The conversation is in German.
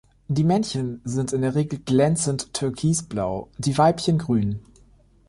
Die Männchen sind in der Regel glänzend türkisblau, die Weibchen grün.